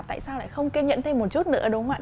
tại sao lại không kiên nhẫn thêm một chút nữa đúng không ạ